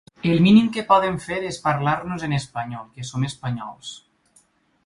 El mínim que poden fer és parlar-nos en espanyol, que som espanyols.